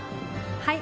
はい。